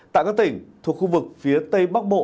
tại các tỉnh thuộc khu vực phía tây bắc bộ